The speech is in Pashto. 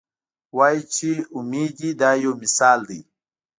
وایي چې اومې دي دا یو مثال دی.